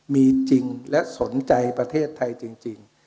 มีจริงและสนใจประเทศไทยจริง